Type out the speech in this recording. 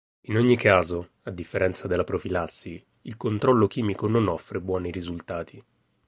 In ogni caso, a differenza della profilassi, il controllo chimico non offre buoni risultati.